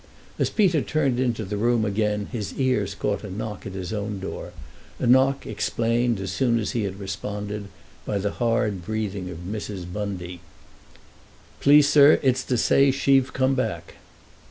As Peter turned into the room again his ears caught a knock at his own door, a knock explained, as soon as he had responded, by the hard breathing of Mrs. Bundy. "Please, sir, it's to say she've come back."